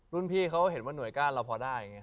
รุ่นพี่เขาก็เห็นว่าหน่วยกล้านเราพอได้